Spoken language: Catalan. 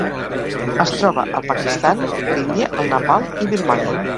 Es troba al Pakistan, l'Índia, el Nepal i Birmània.